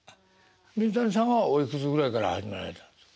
水谷さんはおいくつぐらいから始められたんですか？